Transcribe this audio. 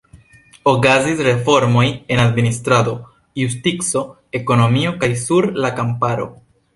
Okazis reformoj en administrado, justico, ekonomio kaj sur la kamparo.